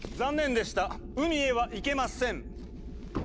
海へは行けません！